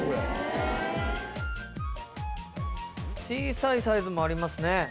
小さいサイズもありますね。